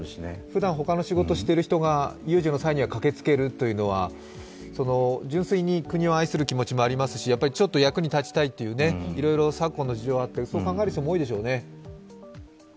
ふだん他の仕事をしている人が有事の際には駆けつけるというのは純粋に国を愛する気持ちもありますしやっぱりちょっと役に立ちたいという、昨今の事情もあって、そう考える人も多いでしょうね。